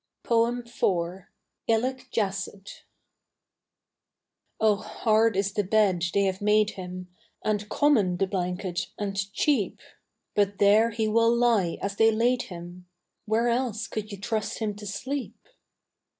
IV. ILLIC JACET Oh hard is the bed they have made him, And common the blanket and cheap; But there he will lie as they laid him: Where else could you trust him to sleep?